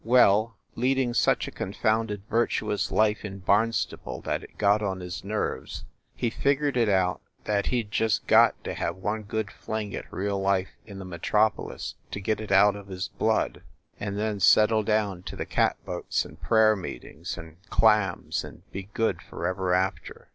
Well, leading such a confounded virtuous life in Barnstable that it got on his nerves, he figured it out THE LIARS CLUB 61 that he d just got to have one good fling at real life in the Metropolis to get it out of his blood, and then settle down to the cat boats and prayer meetings and clams and be good for ever after.